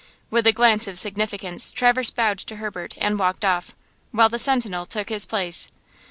With a glance of significance, Traverse bowed to Herbert and walked off, while the sentinel took his place.